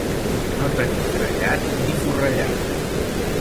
No tenir trellat ni forrellat.